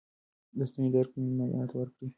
د ستوني درد کې مایعات ورکړئ.